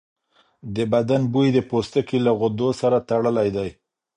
د بدن بوی د پوستکي له غدو سره تړلی دی.